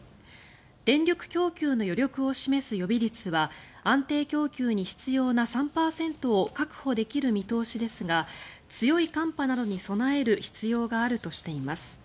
電力供給の余力を示す予備率は安定供給に必要な３％を確保できる見通しですが強い寒波などに備える必要があるとしています。